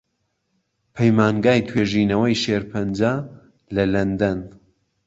پەیمانگای توێژینەوەی شێرپەنجە لە لەندەن